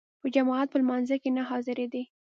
په جماعت په لمانځه کې نه حاضرېدی.